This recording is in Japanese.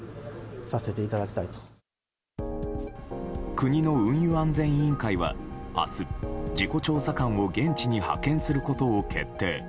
国の運輸安全委員会は明日、事故調査官を現地に派遣することを決定。